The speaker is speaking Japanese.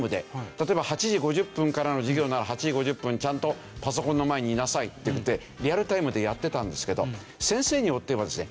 例えば８時５０分からの授業なら８時５０分にちゃんとパソコンの前にいなさいっていってリアルタイムでやってたんですけど先生によってはですね